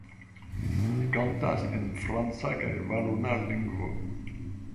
Li kantas en franca kaj valona lingvo.